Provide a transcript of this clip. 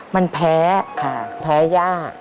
มันแพ้แพ้ยาก